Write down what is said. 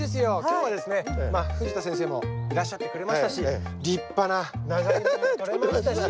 今日はですね藤田先生もいらっしゃってくれましたし立派なナガイモもとれましたし。